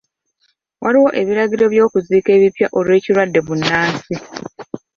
Waliwo ebiragiro by'okuziika ebipya olw'ekirwadde bbunansi.